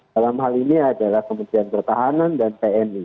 dalam hal ini adalah kementerian pertahanan dan tni